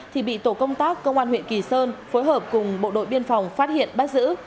thì bị tổ công tác công an huyện kỳ sơn phối hợp cùng bộ đội biên phòng phát hiện bắt giữ